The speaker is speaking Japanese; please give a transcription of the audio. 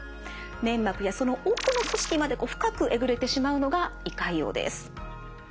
粘膜やその奥の組織まで深くえぐれてしまうのが胃潰瘍です。